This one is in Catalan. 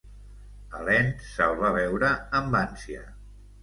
Helene se'l va veure amb ànsia.